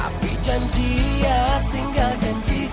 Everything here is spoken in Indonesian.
tapi janji ya tinggal janji